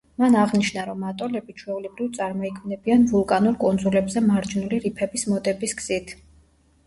მან აღნიშნა, რომ ატოლები ჩვეულებრივ წარმოიქმნებიან ვულკანურ კუნძულებზე მარჯნული რიფების მოდების გზით.